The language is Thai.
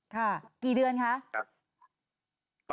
ค่ะกี่เดือนคะ